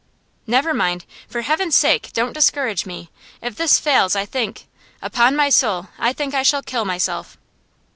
'Never mind. For Heaven's sake don't discourage me! If this fails I think upon my soul, I think I shall kill myself.